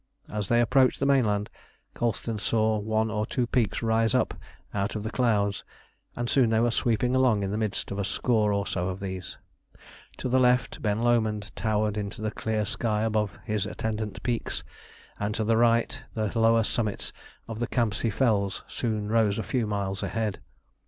As they approached the mainland, Colston saw one or two peaks rise up out of the clouds, and soon they were sweeping along in the midst of a score or so of these. To the left Ben Lomond towered into the clear sky above his attendant peaks, and to the right the lower summits of the Campsie Fells soon rose a few miles ahead.